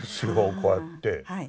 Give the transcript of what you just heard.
こうやって。